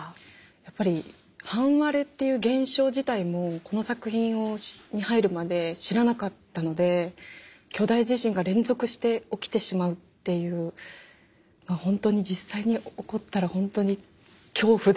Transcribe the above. やっぱり半割れっていう現象自体もこの作品に入るまで知らなかったので巨大地震が連続して起きてしまうっていう本当に実際に起こったら本当に恐怖でしかなくて。